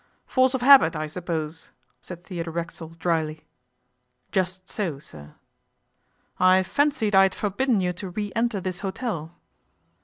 'Force of habit, I suppose,' said Theodore Racksole drily. 'Just so, sir.' 'I fancied I had forbidden you to re enter this hotel?